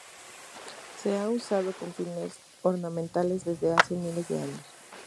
Se ha usado con fines ornamentales desde hace miles de años.